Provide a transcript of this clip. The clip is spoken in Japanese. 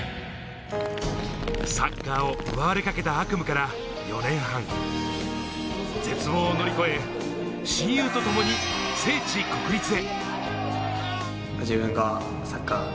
サッカーを奪われかけた悪夢から４年半、絶望を乗り越え、親友と共に聖地・国立へ。